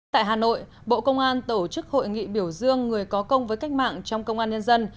tại hà nội bộ công an tổ chức hội nghị biểu dương người có công với cách mạng trong công an nhân dân